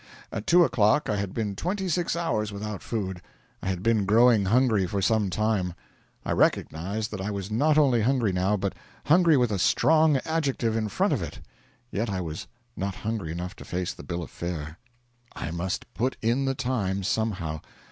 At two o'clock I had been twenty six hours without food. I had been growing hungry for some time; I recognised that I was not only hungry now, but hungry with a strong adjective in front of it. Yet I was not hungry enough to face the bill of fare. I must put in the time somehow.